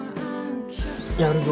やるぞ。